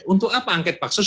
untuk apa angket pak sus